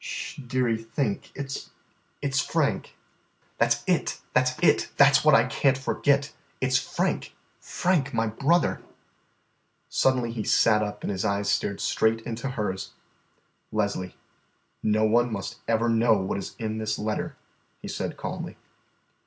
"'Sh, dearie, think it 's it 's Frank." "That 's it, that 's it that 's what I can't forget. It 's Frank, Frank, my brother." Suddenly he sat up and his eyes stared straight into hers. "Leslie, no one must ever know what is in this letter," he said calmly.